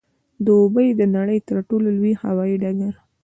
دوبۍ د نړۍ د تر ټولو لوی هوايي ډګر